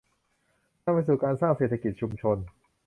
นำไปสู่การสร้างเศรษฐกิจชุมชน